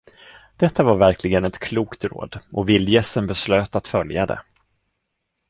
Detta var verkligen ett klokt råd, och vildgässen beslöt att följa det.